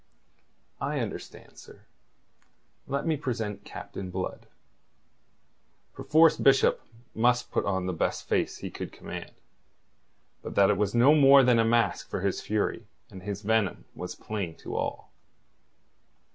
"I understand, sir. Let me present Captain Blood." Perforce Bishop must put on the best face he could command. But that it was no more than a mask for his fury and his venom was plain to all.